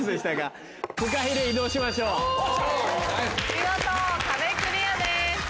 見事壁クリアです。